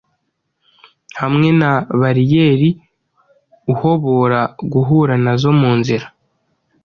hamwe na bariyeri uhobora guhura nazo mu nzira